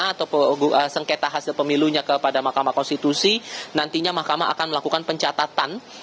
atau sengketa hasil pemilunya kepada mahkamah konstitusi nantinya mahkamah akan melakukan pencatatan